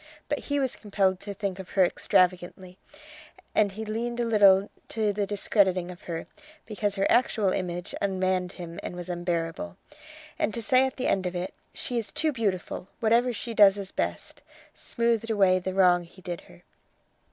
But he was compelled to think of her extravagantly, and he leaned a little to the discrediting of her, because her actual image ummanned him and was unbearable; and to say at the end of it: "She is too beautiful! whatever she does is best," smoothed away the wrong he did her.